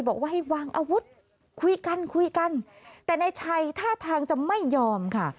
บอกว่าให้วางอาวุธคุยกันคุยกันแต่นายชัยท่าทางจะไม่ยอมค่ะ